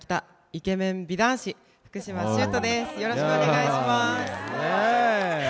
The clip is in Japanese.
よろしくお願いします